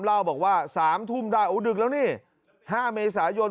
เล่าบอกว่า๓ทุ่มได้โอ้ดึกแล้วนี่๕เมษายน